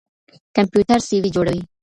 کمپيوټر سي وي جوړوي.